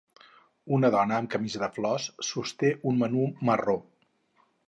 Una dona amb camisa de flors sosté un menú marró.